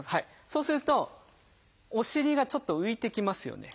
そうするとお尻がちょっと浮いてきますよね。